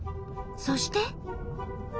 そして。